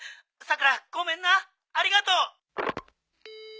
さくらごめんなありがとう！